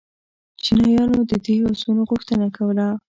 چینایانو د دې آسونو غوښتنه کوله